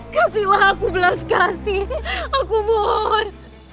kasihlah aku belas kasih aku mohon